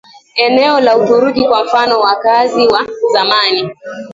eneo la Uturuki Kwa mfano wakaazi wa zamani